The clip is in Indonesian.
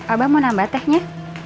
abah mau nambah tehnya